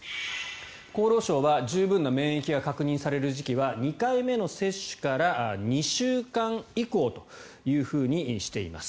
厚労省は十分な免疫が確認される時期は２回目の接種から２週間以降というふうにしています。